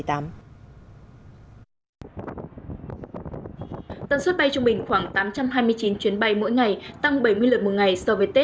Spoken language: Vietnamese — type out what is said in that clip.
tần suất bay trung bình khoảng tám trăm hai mươi chín chuyến bay mỗi ngày tăng bảy mươi lượt mỗi ngày so với tết hai nghìn một mươi tám